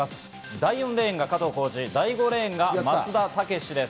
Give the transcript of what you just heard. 第４レーンが加藤浩次、第５レーンが松田丈志です。